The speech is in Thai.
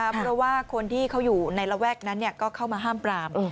เพราะว่าคนที่เขาอยู่ในระแวกนั้นก็เข้ามาห้ามปราม